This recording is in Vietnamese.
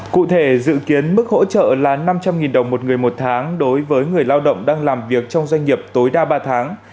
cụ thể dự kiến mức hỗ trợ là năm trăm linh đồng một người một tháng đối với người lao động đang làm việc trong doanh nghiệp tối đa ba tháng